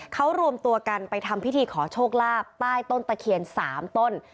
เขารวมตัวกันไปทำพิธีขอโชคลาภใต้ต้นตะเคียน๓ต้น